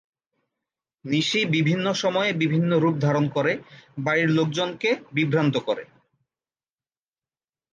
নিশি বিভিন্ন সময়ে বিভিন্ন রূপ ধারণ করে, বাড়ির লোকজনকে বিভ্রান্ত করে।